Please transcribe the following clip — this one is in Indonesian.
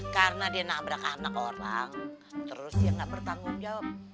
karena dia nabrak anak anak orang terus dia gak bertanggung jawab